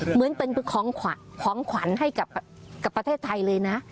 เหมือนเป็นของขวัญให้กับประเทศไทยเลยนะ